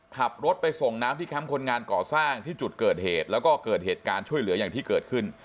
ขับรถไปส่งน้ำที่แคมป์คนงานก่อสร้างที่จุดเกิดเหตุแล้วก็เกิดเหตุการณ์ช่วยเหลืออย่างที่เกิดขึ้น